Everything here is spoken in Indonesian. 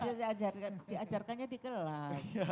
iya diajarkan diajarkannya di kelas